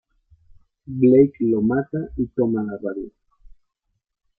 Blake lo mata y toma la radio.